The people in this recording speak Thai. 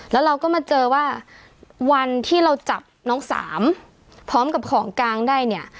แล้วเราก็มาเจอว่าวันที่เราจับน้องสามพร้อมกับของกลางได้เนี่ย